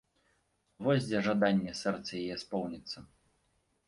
Вось дзе жаданне сэрца яе споўніцца!